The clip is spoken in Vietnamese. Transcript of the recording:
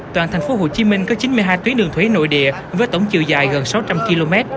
toàn tp hcm có chín mươi hai tuyến đường thủy nội địa với tổng chiều dài gần sáu trăm linh km